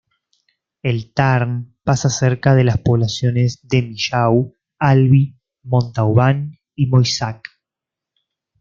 El Tarn pasa cerca de las poblaciones de Millau, Albi, Montauban y Moissac.